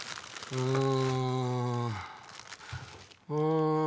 うん。